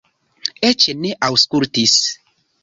Eĉ ne aŭskultis.